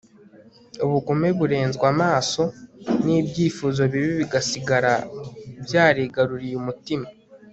ubugome burenzwa amaso, n'ibyifuzo bibi bigasigara byarigaruriye umutima